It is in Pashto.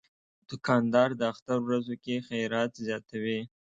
دوکاندار د اختر ورځو کې خیرات زیاتوي.